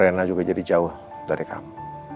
rena juga jadi jauh dari kamu